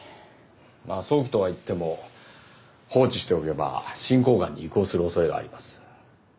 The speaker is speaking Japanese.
まあ早期とは言っても放置しておけば進行がんに移行するおそれがあります。